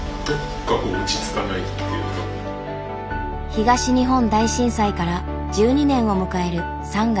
東日本大震災から１２年を迎える３月１１日。